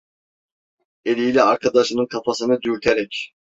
Eliyle arkadaşının kafasını dürterek: